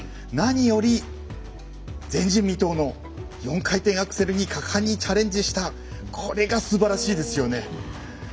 何より、前人未到の４回転アクセルに果敢にチャレンジしたこれがすばらしいですよね。